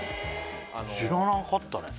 知らなかったね